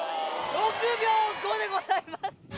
６秒５でございます。